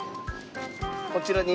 こちらに。